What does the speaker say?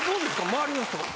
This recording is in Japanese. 周りの人。